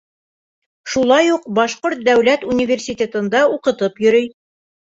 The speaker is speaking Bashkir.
Шулай уҡ Башҡорт дәүләт университетында уҡытып йөрөй.